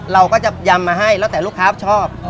เราก็จะยำมาให้แล้วแต่ลูกค้าชอบ